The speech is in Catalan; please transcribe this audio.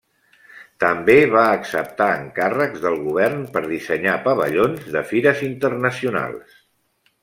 També va acceptar encàrrecs del govern per dissenyar pavellons de fires internacionals.